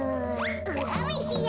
うらめしや。